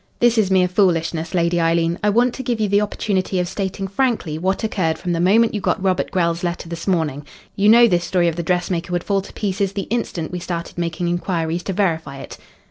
"This is mere foolishness, Lady Eileen. I want to give you the opportunity of stating frankly what occurred from the moment you got Robert Grell's letter this morning. You know this story of the dressmaker would fall to pieces the instant we started making inquiries to verify it."